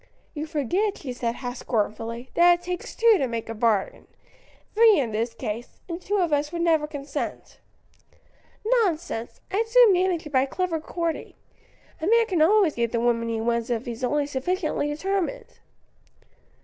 "You forget," she said, half scornfully, "that it takes two to make a bargain; three in this case; and two of us would never consent." "Nonsense! I'd soon manage it by clever courting. A man can always get the woman he wants if he's only sufficiently determined."